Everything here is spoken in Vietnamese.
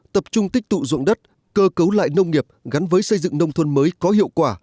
tập trung tích tụ dụng đất cơ cấu lại nông nghiệp gắn với xây dựng nông thôn mới có hiệu quả